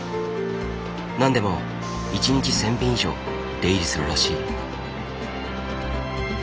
何でも１日１，０００便以上出入りするらしい。